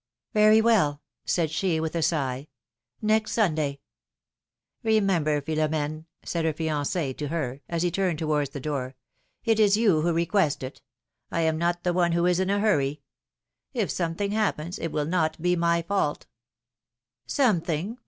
Very well,'^ said she, with a sigh, next Sunday.'' Remember, Philom^ne," said her fiance to her, as he turned towards the door, ^4t is you who request it; I am not the one who is in a hurry. If something happens, it will not be my fault." Something!